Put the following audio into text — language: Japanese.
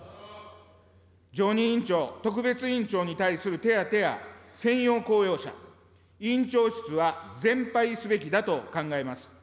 常任委員長、特別委員長に対する手当や、専用公用車、委員長室は全廃すべきだと考えます。